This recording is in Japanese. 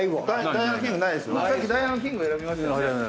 さっきダイヤのキングを選びましたよね。